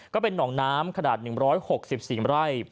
ก็เป็นหนองน้ำขนาด๑๖๔ไร่